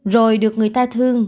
rồi được người ta thương